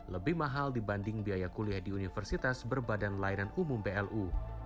lebih mahal dibanding biaya kuliah di universitas berbadan layanan umum blu